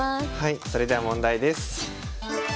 それでは問題です。